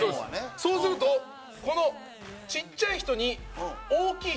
そうするとこのちっちゃい人に大きい人が。